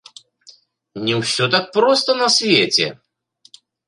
Не ўсё так проста на свеце!